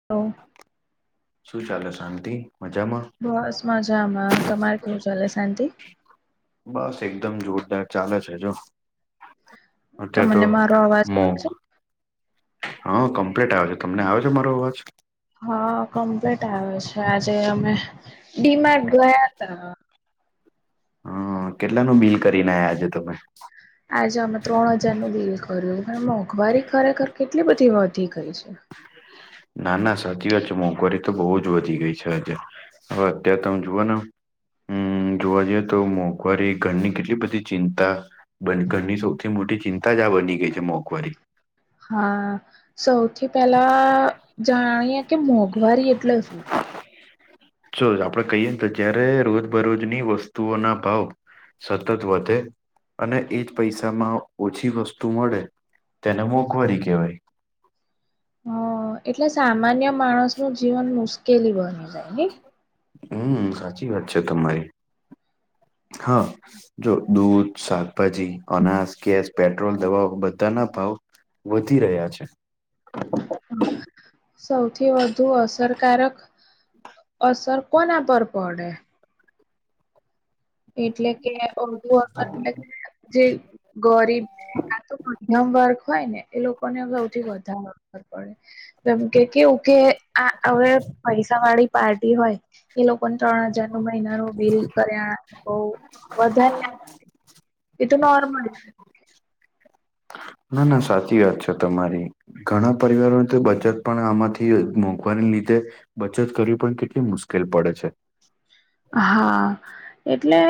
[inaudible] શું ચાલે શાંતિ મજામાં? બસ મજામાં તમારે કેવુ ચાલે શાંતિ બસ એકદમ જોરદાર ચાલે છે, જો અત્યાર તો તમને મારો અવાજ આવે મોક છે હ કમ્પ્લીટ આવે છે, તમને આવ છે, મારો અવાજ હા કમ્પ્લીટ આવે છે, આજે અમે ડીમાર્ટ ગયા તા હ કેટલાનું બિલ કરીને આયા આજે તમે આજે અમે ત્રણ હજારનું બીલ કર્યું પણ મોંઘવારી ખરેખર કેટલી બધી વધી ગઈ છે. ના ના સાચી વાત છે, મોંઘવારી તો બો જ વધી ગઈ છે, આજે અવે અત્ય્યારે તમે જુઓને હમ જોવા જઈએ તો મોંઘવારી ઘરની કેટલી બધી ચિંતા બન ઘરની સૌથી મોટી ચિંતા જ આ બની ગઈ છે, મોંઘવારી હા સૌથી પેલા જાણીએ કે મોંઘવારી એટલે શું? ચો આપડે કહીએ ને તો જયારે રોજબરોજની વસ્તુઓના ભાવ સતત વધે અને એજ પૈસામાં ઓછી વસ્તુ મળે તેને મોંઘવારી કેવાય અ એટલે સામાન્ય માણસનું જીવન મુશ્કેલી બની જાય ને? હમ સાચી વાત છે, તમારી હ જો દૂધ, શાકભાજી, અનાજ, ગેસ, પેટ્રોલ, દવાઓ બધાના ભાવ વધી રહ્યા છે. સૌથી વધુ અસરકારક અસર કોના પરર પડે. એટલે કે ઓલું [inaudible] આ તો મધ્યમ વર્ગ હોય ને એ લોકોને સૌથી વધારે ખર પડે જેમ કે કેવું કે આ આવડે પૈસા વાળી પાર્ટી હોય એ લોકોને ત્રણ હજાર નું મહિનાનું બિલ કર્યા બઉ વધારના એ તો નોર્મલ [unintelligible] ના ના સાચી વાત છે તમારી. ઘણા પરિવારોને તો બચત પણ આમાંથી મોઘવાને લીધે બચત કરવી પણ કેટલી મુશ્કેલ પડે છે. હા એટલે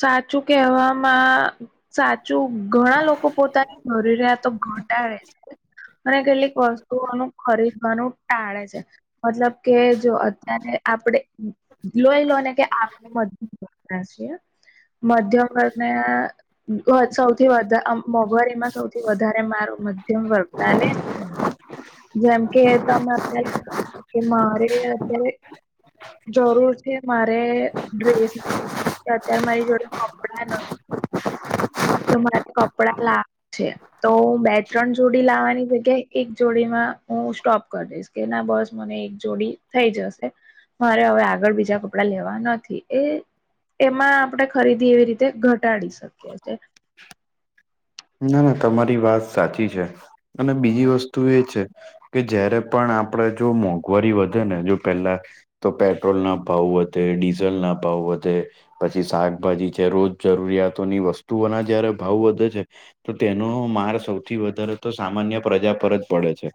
સાચું કેહેવામાં સાચું ઘણા લોકો પોતાની જરૂરિયાતો ઘટાડે છે. અને કેટલીક વસ્તુઓનું ખરીદવાનું ટાળે છે. મતલબ કે જો અત્યારે આપડે લો આપ મધ્ય છીએ મધ્યમ વર્ગન સૌથી વધ મોંઘવારીમાં સૌથી વધારે મારો મધ્યમ વર્ગ ના ને જેમ કે તમે અત્યારે કે મારે અત્યારે જરૂર છે. મારે ડ્રેસ અત્યારે મારી જોડે કપડા નથી. તો તમારે કપડા લાવુ છે. તો હું બે ત્રણ જોડી લાવવાની જગ્યાએ એક જોડી માં હું સ્ટોપ કરી દઈશ. કે ના બસ મને એક જોડી થઈ જશે મારે હવે આગળ બીજા આપણે લેવા નથી એ એમાં આપણેે ખરીદી એવી રીતે ઘટાડી શકીએ છે. ના ના તમારી વાત સાચી છે અને બીજી વસ્તુ એ છે કે જયારે પણ આપણેે જો મોંઘવારી વધે ને જો પેલા તો પેટ્રોલ ના ભાવું વધ ડીઝલ ના ભાવ વધે પછી શાકભાજી છે રોજ જરૂરિયાતોની વસ્તુઓના જયારે ભાવ વધે છે. તો તેનો માર સૌથી વધારે તો સામાન્ય પ્રજા પર જ પડે છે.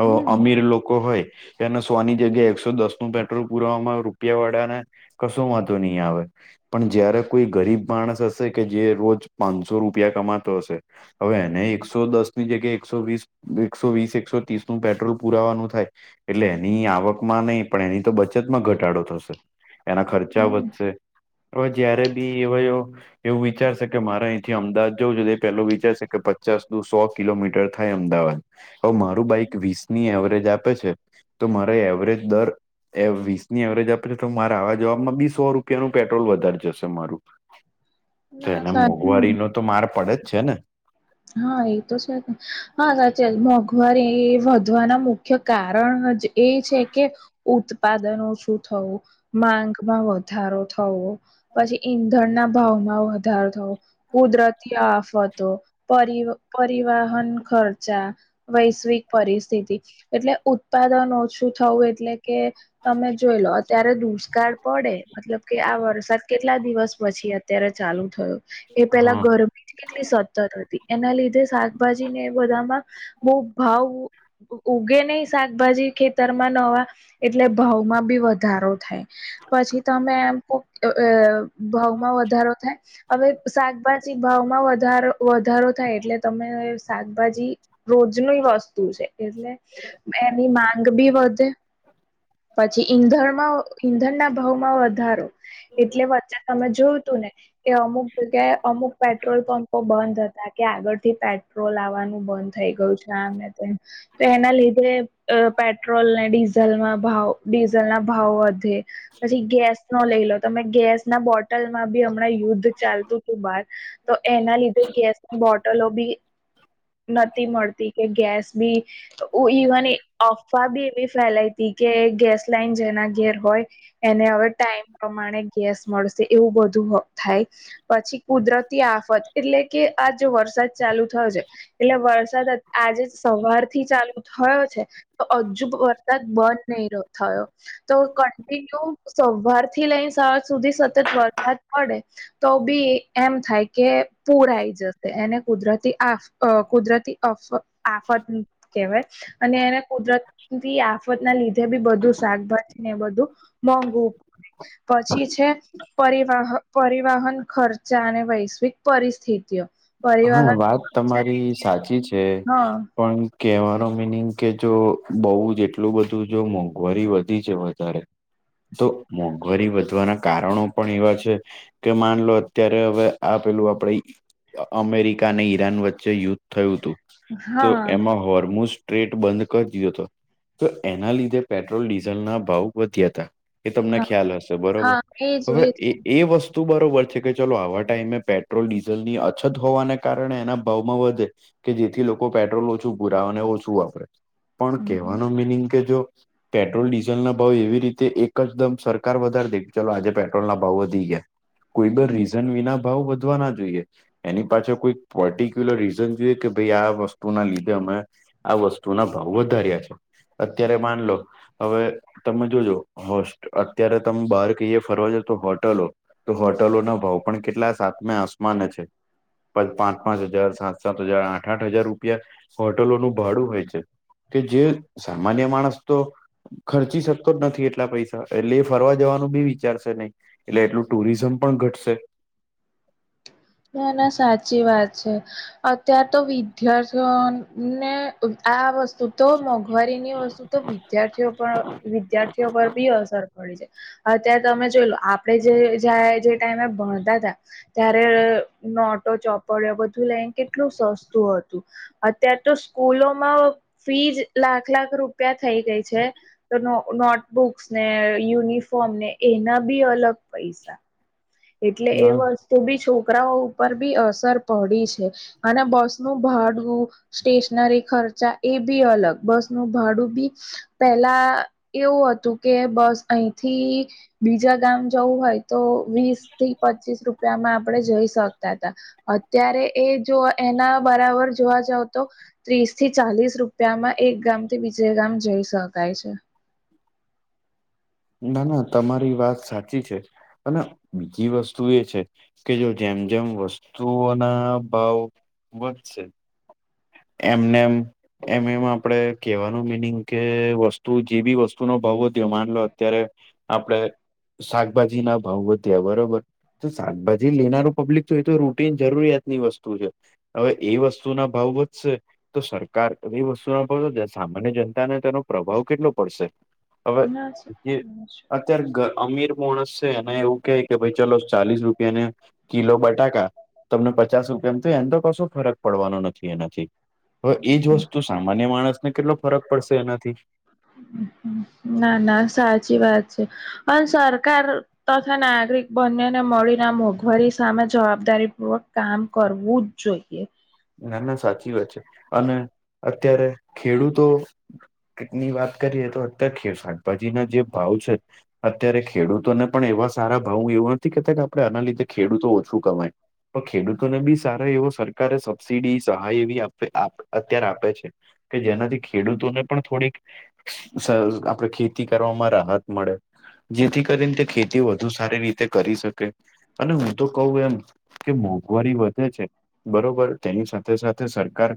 આવો અમીર હમ લોકો હોય. એને સોની જગ્યાએ એકસો દસ નું પેટ્રોલ પુરાવામાં રૂપિયા વાળાને કશું વધો નહીં આવે. પણ જયારે કોઈ ગરીબ માણસ હશે કે જે રોજ પાંચસો રૂપિયા કમા તો હશે હવે એને એકસો દસ ની જગ્યા એકસો વીસ એકસો વીસ એકસો ત્રીસ નું પેટ્રોલ પુરાવાનું થાય. એટલે એની આવકમાં નહીં પણ એની તો બચતમાં ઘટાડો થશે. એના ખર્ચા વધશે હવે જયારે બી એ એવું વિચારશે કે મારા અહીંથી અમદાવાદ જઉં જો પેલું વિચારશે કે પચાસ દુ સો કિલોમીટર થાય અમદાવાદ. હ મારું બાઈક વીસની એવરેજ આપે છે તો મારે એવરેજ દર એ વીસ ની એવરેજ આપે છે તો મારા આવા જવાબમાં બી સો રૂપિયાનું પેટ્રોલ વધારે જશે મારું. [inaudible] તો એને સાચું મોંઘવારીનો તો માર પડે જ છે ને. હા એ તો છે ને હા સાચ મોંઘવારી એ વધવાના મુખ્ય કારણ જ એ છે કે ઉત્પાદનો શું થવું માંગમાં વધારો થવો. પછી ઈંધણના ભાવમાં વધારો થયો કુદરતી થી આફતો પરી પરિવહન ખર્ચા વૈશ્વિક પરિસ્થિતિ એટલે ઉત્પાદન ઓછું થવું એટલે કે તમે જોઈ લો અત્યારે દુષ્કાળ પડે મતલબ કે આ વરસાદ કેટલા દિવસ પછી આ અત્યારે ચાલુ થયું એ પેલા હા ગરમી કેટલી સ ખત હતી એના લીધે શાકભાજી ને બધામાં બો ભાવ ઉગે નહી શાકભાજી ખેતરમાં નવા એટલે ભાવમાં બી વધારો થાય. - પછી તમે એમ કો અ ભાવમાં વધારો થાય. - હવે શાકભાજી ભાવમાં વધારો વધારો થાય એટલે તમે શાકભાજી રોજ ની વસ્તુ છે એટલે એની માંગ બી વધે પછી ઈંધણમાં ઈંધણના ભાવમાં વધારો એટલે વચ્ચે તમે જોયું તું ને કે અમુક જગ્યાએ અમુક પેટ્રોલ પંપો બંધ હતા કે આગળ થી પે પેટ્રોલ આવવાનું બંધ થઈ ગયું છે આ ને તે તો એના લીધે પેટ્રોલ ને ડીઝલમાં ભાવ ડીઝલ ના ભાવ વધે પછી ગેસ નો લઈ લો તમે ગેસ ના બોટલ માં બી હમણાં યુદ્ધ ચાલતું હતું બહાર તો એના લીધે ગેસની બોટલો બી નથી મળતી કે ગેસ બી તો ઇવન અફવા બી એવી ફેલાય હતી કે ગેસ લાઈન જેના ઘેર હોય એને હવે ટાઈમ પ્રમાણે ગેસ મળશે એવું બધું હો થાય પછી કુદરતી આફત એટલે કે આ જો વરસાદ ચાલુ થયો છે એટલે વરસાદ આજે જ સવારથી ચાલુ થયો છે તો હજુ વરસાદ બંધ નહી થયો તો કન્ટિન્યુ સવાર થી લઈને સાવાંજ સુધી સતત વરસાદ પડે તો બી એમ થાય કે પુર આઈ જશે એને કુદરતી આફ અ કુદરતી અફ આફત કહેવાય અને એને કુદરત ની આફત ના લી ધે બી બધું શાકભાજી ને બધું મોઘવું પડે પછી છે પરીવાહ પરિવહન ખર્ચા અને વૈશ્વિક પરિસ્થિતિઓ પરિવહન હા વાત તમારી સાચી છે હા પણ કેહેવાનો મિનિંગ કે જો બહુ જ એટલું બધું જો મોંઘવારી વધી છે વધારે તો મોંઘવારી વધવાના કારણો પણ એવા છે. કે માનલો અત્યારે હવે આપેલું આપણે અમેરિકા અને ઈરાન વચ્ચે યુદ્ધ થયું હતું તો હા એમાં હોર્મોશુ ટ્રેટ બંધ કરી દીધો હતો તો એના લીધે પેટ્રોલ ડીઝલના ભાવ વધ્યાતા. એ તમને હા ખ્યાલ હશે બરોબર હા એજ હવે એજ એ એ વસ્ તું બરોબર છે કે ચાલો આવા ટાઈમે પેટ્રોલ ડીઝલ ની અછત હોવાને કારણે એના ભાવમાં વધે કે જેથી લોકો પેટ્રોલ ઓછું પુરાવે અને ઓછું વાપરે પણ હમ હમ. કહેવાનો મિનિંગ કે જો પેટ્રોલ ડીઝલના ભાવ એવી રીતે એક જદમ સરકાર વધારે દે ચાલલો આજે પેટ્રોલના ભાવ વધી ગયા કોઈ બ રીઝન વિના ભાવ વધવા ના જોઈએ. એની પાછળ કોઈ પર્ટિક્યુલર રીઝન જોઈએ કે ભાઈ આ વસ્તુના લીધે અમે આ વસ્તુના ભાવ વધાર્યા છે અત્યારે માનલો હવે તમે જોજો હો અત્યારે તમે બહાર કહીયે ફરવાજો તો હોટલો તો હોટલો ના ભાવ પણ કેટલા સાતમે આસમાને છે. પાંચ પાંચ હજાર સાત સાત હજાર આઠ આઠ હજાર રૂપિયા હોટલોનું ભાડું હોય છે. કે જે સામાન્ય માણસ તો ખર્ચી શકતો જ નથી એટલા પૈસા એટલે એ ફરવા જવાનું બી વિચારશે નહી. એટલે એટલું ટુરિઝમ પણ ઘટશે. ના ના સાચી વાત છે. અત્યારે તો વિદ્યાર્થીઓને આ વસ વસ્તુ તો મોંઘવારીની વસ્તુ તો વિદ્યાર્થીઓ પર વિદ્યાર્થીઓ પર બી અસર પડી છે અત્યારે તમે જોઈ લો આપણેે જે જ જે ટાઈમે ભણતા હતા ત્યારે નોટો ચોપડ્યા બધું લઈને કેટલું સસ્તું હતું અત્યાર તો સ્કૂલોમાં ફીજ લાખ લાખ રૂપિયા થઈ ગઈ છે. તો નોટબુક્સ ને યુનિફોર્મ ને એના બી અલગ પૈસા એટલે એ ના વસ્તુ બી છોકરાઓ ઉપર બી અસર પડી છે. અને બસ નું ભાડું સ્ટેશનરી ખર્ચા એ બી અલગ બસ નું ભાડું બી પેલા એવું હતું કે બસ અહીંથી બીજા ગામ જવું હોય તો વીસ થી પચીસ રૂપિયા માં આપડે જઈ શકતા હતા અત્યારે એ જો એના બરાબર જોવા જાવ તો ત્રીસ થી ચાલીસ રૂપિયામાં એક ગામ થી બીજે ગામ જઈ શકાય છે. ના ના તમારી વાત સાચી છે અને બીજી વસ્તુ એ છે. કે જો જેમ જેમ વસ્તુઓના ભાવ વધશે એમનેમ એમ એમ આપણેે કેહેવાનું મિનિંગ કે વસ્તુ જે બી વસ્તુનો ભાવ વધયો માન લો અત્યારે આપડે શાકભાજી ના ભાવ વધ્યા બરોબર તો શાકભાજી લેનાર પબ્લિક તો એ તો રૂટીન જરૂરિયાત ની વસ્તુ છે. હવે એ વસ્તુ ના ભાવ તો સરકાર એવી વસ્તુ ના પ સામાન્ય જનતાને તેનો પ્રભાવ કેટલો પડશે હવે જે અત્યારે અમીર માણસ છે ને એવું કે કે ભાઈ ચલો ચાલીસ રૂપિયા ને કિલો બટાકા તમને પચાસ રુ કેમ તો એમ તો કશો ફરક પડવાનો નથી એનાથી હવે એજ વસ્તુ સામાન્ય માણસને કેટલો ફરક પડશે એનાથી ના ના સાચી વાત છે પણ સરકાર તથા નાગરિક બંનેને મળીને મોંઘવારી સામે જવાબદારી પૂર્વક કામ કરવું [unintelligible] ના ના સાચી વાત છે અને અત્યારે ખેડૂતો ની વાત કરીએ તો અત્યારે શાકભાજી ના જે ભાવ છે. અત્યારે ખેડૂતોને પણ એવા સારા ભાવ એવું નથી કેતા કે આપણે આના લીધે ખેડૂતો ઓછું કમાય તો ખેડૂતોને બી સારા એવો સરકારે સબસીડી સહાય એવી અત્યારે આપે છે કે જેનાથી ખેડૂતોને પણ થોડીક આપડે ખેતી કરવામાં રાહત મળે જેથી કરીને તે ખેતી વધુ સારી રીતે કરી શકે અને હું તો કવું એમ કે મોંઘવારી વધે છે બરોબર તેની સાથે સાથે સરકાર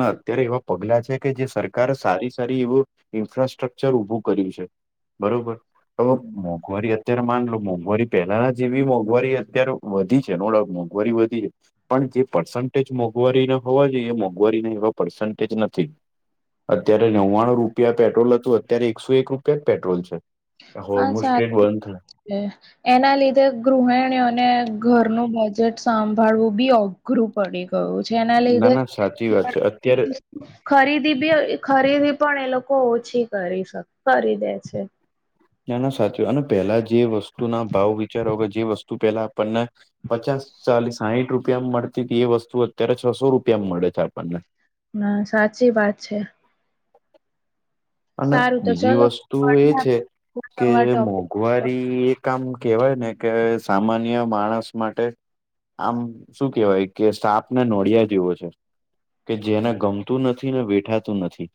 ના અત્યારે એવા પગલા છે કે જે સરકાર સારી સારી એવું ઇન્ફ્રાસ્ટ્રક્ચર ઉભું કર્યું છે બરોબર તો મોંઘવારી અત્યારે માન લો મોંઘવારી પેલા જેવી મોંઘવારી અત્યારે વધી છે નડા મોંઘવારી વધી છે પણ જે પર્સેજ મોઘ મોંઘવારી ના હોવા જોઈએ મોંઘવારીના એવા પર્સન્ટેજ નથી અત્યારે નવ્વાણું રૂપિયા પેટ્રોલ હતું અત્યારે એકસો એક રૂપિયા જ પેટ્રોલ છે. અછા હોર્મોસ્ટ્રેટ બંધ છે. એના લીધે ગૃહિણીઓને ઘરનું બજેટ સાંભાળવું બી અઘરું પડ્યું એ છેનાલ ના ના સાચી વાત છે અત્યારે ખરીદી બી ખરીદી પણ એ લોકો ઓછી કરી શ કરી દે છે. ત્યા ના સાચ અને પેલા જે વસ્તુ ના ભાવ વિચારો વગર જે વસ્તુ ત પેલા આપણને પચાસ ચાલીસ સાઠ રૂપિયામાં મળતી હતી એ વસ્તુ અત્યારે છસો રૂપિયામાં મળે છે આપણને ના સાચી વાત છે. અને સારું તો બીજી ચલો વસ્તુ એ મળીએ છે કે નવા ટોપિક પર ગુવારી એ આમ કેહેવાય ને કે સામાન્ય માણસ માટે આમ શું કેવાય કે સાફને નોડિયા જેવો છે. કે જેને ગમતું નથી ને વેઠાતું નથી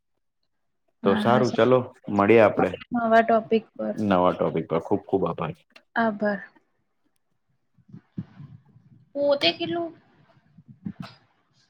તો હા હા સારું ચલો સાચી મળીએ આપડે વાત છે મળીએ નવા ટોપિક પર નવા ટોપિક પર ખુબ ખુબ આભાર આબર પોતે કેટલું